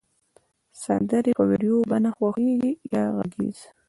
سندری د په ویډیو بڼه خوښیږی یا غږیز